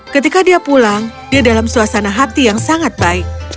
ketika dia pulang dia dalam suasana hati yang sangat baik